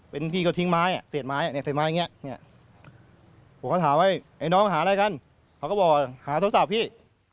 ผมก็ถามไว้ไอ้น้องหาอะไรกันเขาก็บอกหาโทรศัพท์พี่